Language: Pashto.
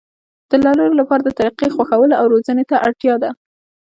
د لرلو لپاره د طريقې خوښولو او روزنې ته اړتيا ده.